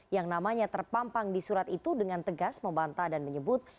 yang namanya terpampang di surat itu dengan tegas membantah dan menyebut